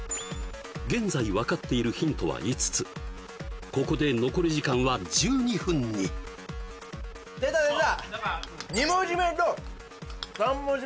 現在分かっているヒントは５つここで残り時間は１２分に出た出た！